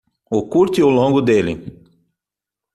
O curto e o longo dele